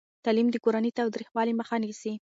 تعلیم د کورني تاوتریخوالي مخه نیسي.